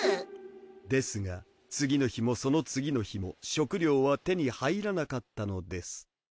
ですが次の日もその次の日も食料は手に入らなかったのです。